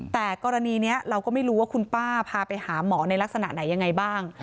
แต่กรณีนี้เราก็ไม่รู้ว่าคุณป้าพาไปหาหมอในลักษณะไหนยังไงบ้าง